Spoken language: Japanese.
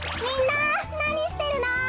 みんななにしてるの？